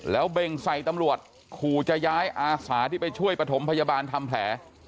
แล้วเบ่งใส่ตำรวจขู่จะย้ายอาสาที่ไปช่วยประถมพยาบาลทำแผล